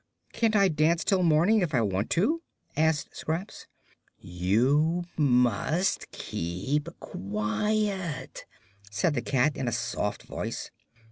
"Can't I dance till morning, if I want to?" asked Scraps. "You must keep quiet," said the cat, in a soft voice.